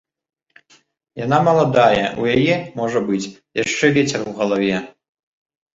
Яна маладая, у яе, можа быць, яшчэ вецер у галаве.